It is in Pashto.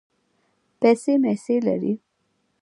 پیسې مېسې لرې.